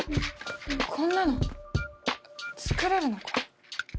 こんなの作れるのか？